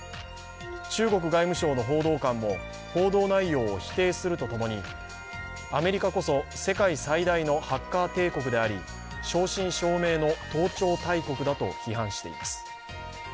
中国外務省の報道官も報道内容を否定するとともにアメリカこそ世界最大のハッカー帝国であり正真正銘の盗聴大国だと批判しています。